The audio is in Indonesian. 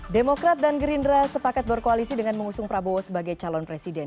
demokrat dan gerindra sepakat berkoalisi dengan mengusung prabowo sebagai calon presiden